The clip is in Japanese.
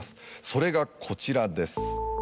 それがこちらです。